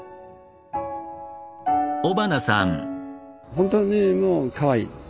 本当にもうかわいい。